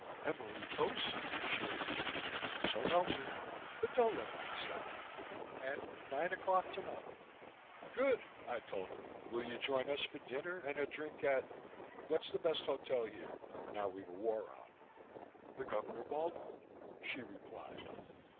"Emily Post," she answered, "so help me, but don't let that stop you, and nine o'clock tonight." "Good," I told her. "Will you join us for dinner and a drink at what's the best hotel here now we've a war on?" "The Governor Baldwin," she replied.